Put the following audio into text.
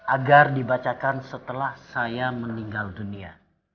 agar dibacakan setelah saya meninggal dunia